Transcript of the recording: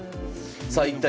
さあ一体